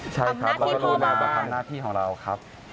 ใช่ครับมันต้องลุญมาทำหน้าพี่ของเราครับ